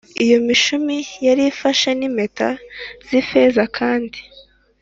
Iyo mishumi yari ifashwe n impeta z ifeza kandi